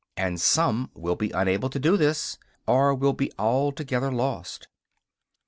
And some will be unable to do this, or will be altogether lost.